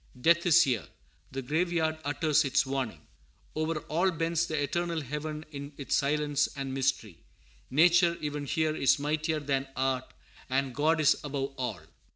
Death is here. The graveyard utters its warning. Over all bends the eternal heaven in its silence and mystery. Nature, even here, is mightier than Art, and God is above all.